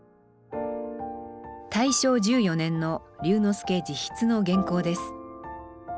大正１４年の龍之介自筆の原稿です。